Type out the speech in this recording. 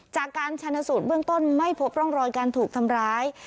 จากการชนสูตรเบื้องต้นไม่พบร่องรอยการถูกทำร้าย